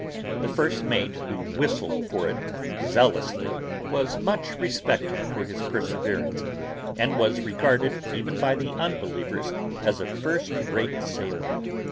The first mate, who whistled for it zealously, was much respected for his perseverance, and was regarded even by the unbelievers as a first rate sailor.